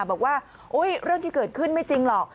บอกว่าเรื่องที่เกิดขึ้นไม่จริงหรอก